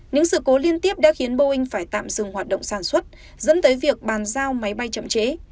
những sự cố liên tiếp đã khiến boeing phải tạm dừng hoạt động sản xuất dẫn tới việc bàn giao máy bay chậm trễ